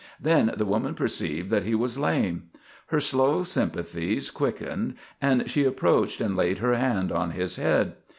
Then the woman perceived that he was lame. Her slow sympathies quickened and she approached and laid her hand on his head.